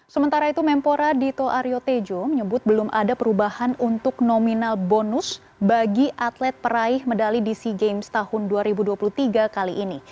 sementara itu mempora dito aryo tejo menyebut belum ada perubahan untuk nominal bonus bagi atlet peraih medali di sea games tahun dua ribu dua puluh tiga kali ini